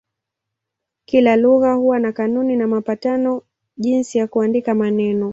Kila lugha huwa na kanuni na mapatano jinsi ya kuandika maneno.